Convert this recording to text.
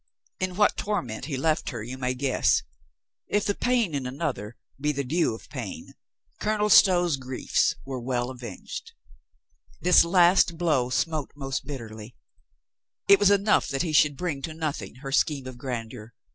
In what torment he left her you may guess. If pain In another be the due of pain, Colonel Stow's griefs were well avenged. This last blow smote 448 COLONEL GREATHEART most bitterly. It was enough that he should bring to nothing her scheme of grandeur.